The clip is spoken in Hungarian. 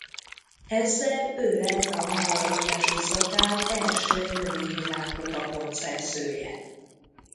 Ezzel ő lett a magyar alpesi szakág első női világkupa-pontszerzője.